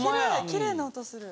きれいな音する。